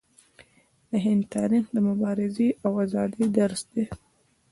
د هند تاریخ د مبارزې او ازادۍ درس دی.